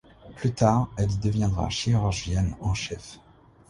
Plus tard, elle y deviendra chirurgienne en chef.